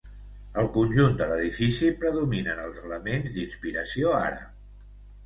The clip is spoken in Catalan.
Al conjunt de l'edifici predominen els elements d'inspiració àrab.